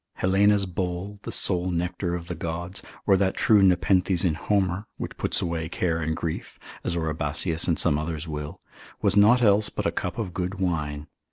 Helena's bowl, the sole nectar of the gods, or that true nepenthes in Homer, which puts away care and grief, as Oribasius 5. Collect, cap. 7. and some others will, was nought else but a cup of good wine.